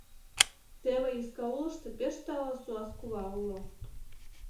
Теве Искаулышто пеш тале суас кува уло.